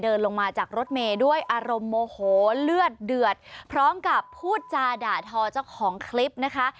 ลงมาจากรถเมย์ด้วยอารมณ์โมโหเลือดเดือดพร้อมกับพูดจาด่าทอเจ้าของคลิปนะคะ